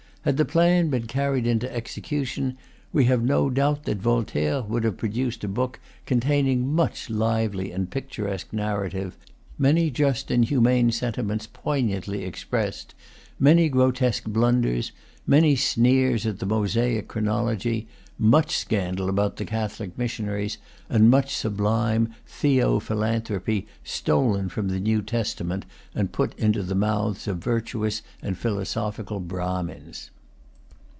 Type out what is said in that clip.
Had the plan been carried into execution, we have no doubt that Voltaire would have produced a book containing much lively and picturesque narrative, many just and humane sentiments poignantly expressed, many grotesque blunders, many sneers at the Mosaic chronology, much scandal about the Catholic missionaries, and much sublime theo philanthropy, stolen from the New Testament, and put into the mouths of virtuous and philosophical Brahmins.